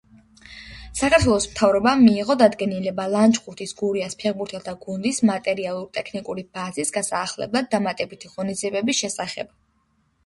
საქართველოს მთავრობამ მიიღო დადგენილება ლანჩხუთის გურიას ფეხბურთელთა გუნდის მატერიალურ-ტექნიკური ბაზის გასაახლებლად დამატებითი ღონისძიებების შესახებ.